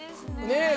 ねえ。